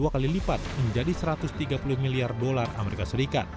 hal ini akan menjadi satu ratus tiga puluh miliar dolar as